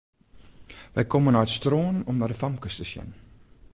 Wy komme nei it strân om nei de famkes te sjen.